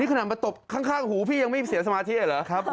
นี่ขนาดมาตบข้างหูพี่ยังไม่เสียสมาธิเลยเหรอ